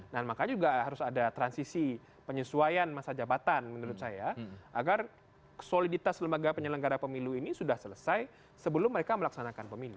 nah makanya juga harus ada transisi penyesuaian masa jabatan menurut saya agar soliditas lembaga penyelenggara pemilu ini sudah selesai sebelum mereka melaksanakan pemilu